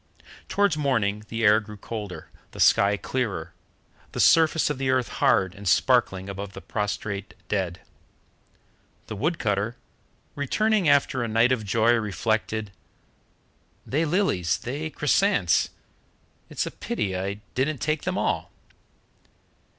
Towards morning the air grew colder, the sky clearer, the surface of the earth hard and sparkling above the prostrate dead. The wood cutter, returning after a night of joy, reflected: "They lilies, they chrysants; it's a pity I didn't take them all."